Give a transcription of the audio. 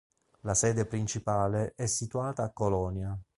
La sede principale è situata a Colonia.